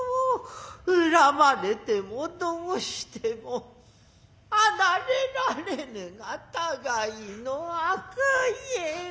恨まれてもどうしても放れられぬがたがいの悪縁。